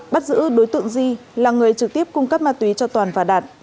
bắt giữ đối tượng di là người trực tiếp cung cấp ma túy cho toàn và đạt